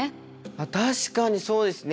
あっ確かにそうですね。